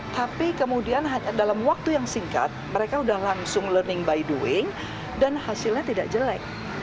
tapi kemudian dalam waktu yang singkat mereka sudah langsung learning by doing dan hasilnya tidak jelek